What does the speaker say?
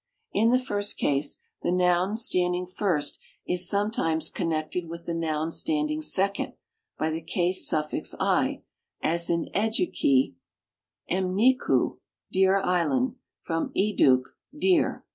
In the first case, the noun stand ing fi.rst is sometimes connected with the noun standing second bv the case suffix i,as in Edu'ki m'ni'ku,/)eer t's^miri, from 6duk, deer.